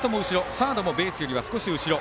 サードもベースより後ろ。